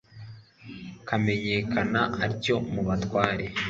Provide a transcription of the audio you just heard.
akamenyekana atyo mu batware